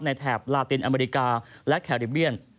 แถบลาตินอเมริกาและแคริเบียน